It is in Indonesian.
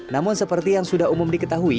namun seperti yang sudah umum diketahui